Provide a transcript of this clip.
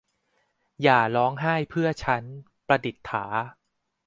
อย่าร้องไห้เพื่อฉัน - ประดิษฐา